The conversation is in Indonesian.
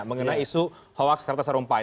mengenai isu howaks serta serumpai